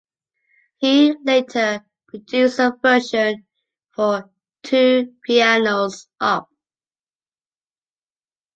He later produced a version for two pianos, Op.